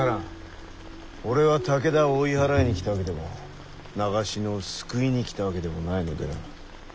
俺は武田を追い払いに来たわけでも長篠を救いに来たわけでもないのでな。